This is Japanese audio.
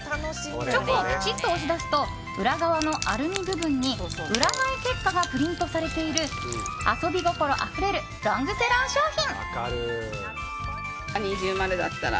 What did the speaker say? チョコをプチッと押し出すと裏側のアルミ部分に占い結果がプリントされている遊び心あふれるロングセラー商品。